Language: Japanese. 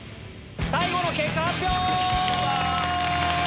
最後の結果発表！